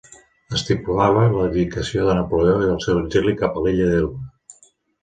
Estipulava l'abdicació de Napoleó i el seu exili cap a l'Illa d'Elba.